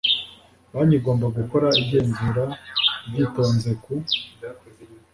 banki igomba gukora igenzura ryitonze ku